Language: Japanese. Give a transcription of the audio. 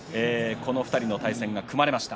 この２人の対戦が組まれました。